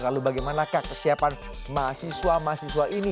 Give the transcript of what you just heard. lalu bagaimanakah kesiapan mahasiswa mahasiswa ini